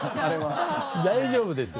大丈夫です。